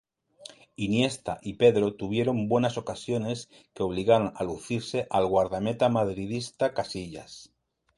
Iniesta y Pedro tuvieron buenas ocasiones que obligaron a lucirse al guardameta madridista Casillas.